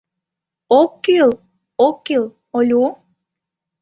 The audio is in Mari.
— Ок кӱл, ок кӱл, Олю!